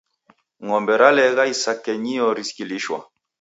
Ng'ombe relaghaya isakenyio rikilishwa